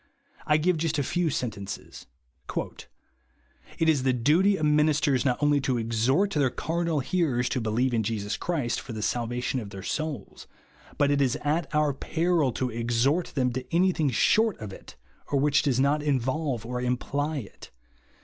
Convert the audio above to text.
I give just a few sentences: — "It is the duty of ministers not only to exhort their carnal hearers to believe in Jesus Christ for the salvation of their souls ; but IT IS AT OUR PEEIL TO EXHORT THEM TO ANY THING SHOET OF IT, OR WHICH DOES NOT INVOLVE OR IMPLY IT.